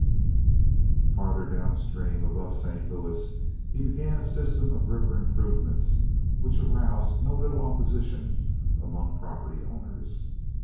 Farther down stream, above St. Louis, he began a system of river improvements which aroused no little opposition among property owners.